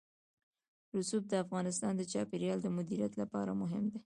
رسوب د افغانستان د چاپیریال د مدیریت لپاره مهم دي.